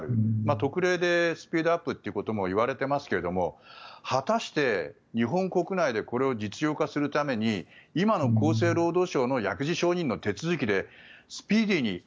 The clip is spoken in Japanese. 特例でスピードアップということもいわれていますけども果たして、日本国内でこれを実用化するために今の厚生労働省の薬事承認の手続きでスピーディーに。